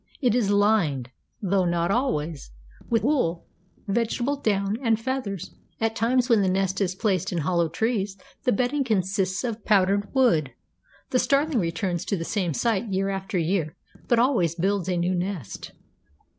It is lined, though not always, with wool, vegetable down and feathers. At times when the nest is placed in hollow trees the bedding consists of powdered wood. The Starling returns to the same site year after year, but always builds a new nest.